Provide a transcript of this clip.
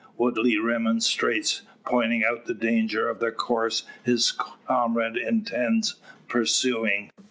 Woodley remonstrates, pointing out the danger of the course his comrade intends pursuing.